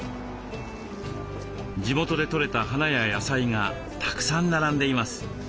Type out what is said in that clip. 地元で採れた花や野菜がたくさん並んでいます。